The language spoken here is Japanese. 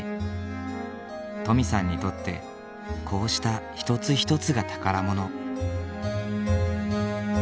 登美さんにとってこうした一つ一つが宝物。